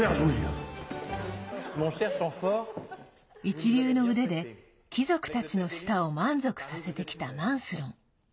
一流の腕で貴族たちの舌を満足させてきたマンスロン。